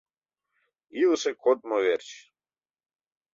Илыше кодмо верч!